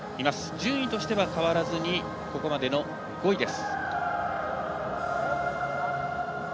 順位としては変わらずにここまでの５位です。